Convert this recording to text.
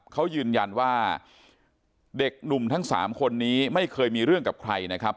เขายืนยันว่าเด็กหนุ่มทั้ง๓คนนี้ไม่เคยมีเรื่องกับใครนะครับ